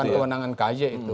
bukan kewenangan ky itu